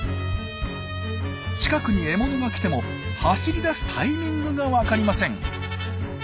近くに獲物が来ても走り出すタイミングが分かりません。